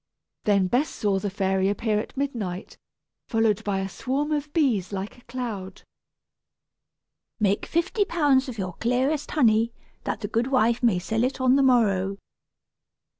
Then Bess saw the fairy appear at midnight, followed by a swarm of bees like a cloud. "Make fifty pounds of your clearest honey, that the goodwife may sell it on the morrow."